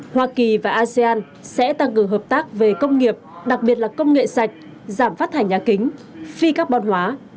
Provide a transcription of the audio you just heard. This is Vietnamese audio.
hoa kỳ và asean sẽ tăng cường hợp tác về công nghiệp đặc biệt là công nghệ sạch giảm phát thải nhà kính phi carbon hóa